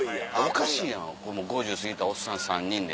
おかしいやん５０過ぎたおっさん３人でな。